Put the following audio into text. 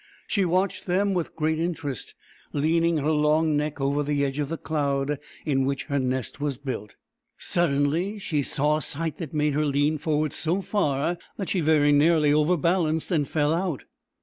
She watched them with great interest, leaning her long neck over the edge of the cloud in which her nest was built. Suddenly she saw a sight that made her lean forward so far that she very nearly overbalanced and fell out.